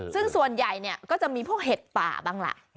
ซึ่งส่วนใหญ่เนี่ยก็จะมีพวกเห็ดป่าบ้างล่ะ